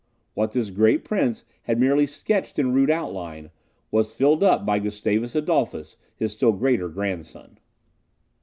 What this great prince had merely sketched in rude outline, was filled up by Gustavus Adolphus, his still greater grandson.